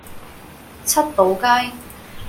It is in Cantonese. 七寶街